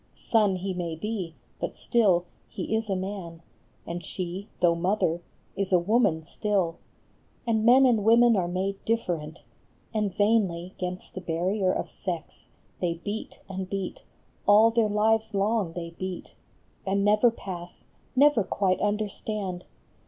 Son he may be, but still he is a man, And she, though mother, is a woman still ; And men and women are made different, And vainly gainst the barrier of sex They beat and beat, all their lives long they beat, And never pass, never quite understand